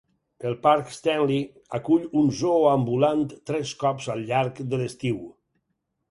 El parc Stanley acull un zoo ambulant tres cops al llarg de l'estiu.